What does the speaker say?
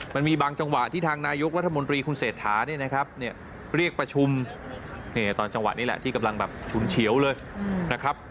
มันมีบางจังหวะที่ทางนายกรัฐมนตรีคุณเศรษฐาเนี่ยนะครับเรียกประชุมตอนจังหวะนี้แหละที่กำลังแบบฉุนเฉียวเลยนะครับ